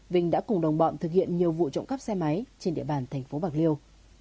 vinh đã cùng đồng bọn thực hiện nhiều vụ trộm các xe máy trên địa bàn tp bạc liêu